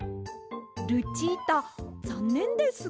ルチータざんねんです。